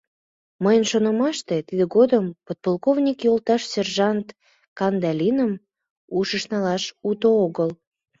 — Мыйын, шонымаште, тидын годым, подполковник йолташ, сержант Кандалиным ушыш налаш уто огыл.